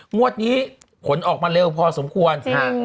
งวดนี้ผลออกมาเร็วพอสมควร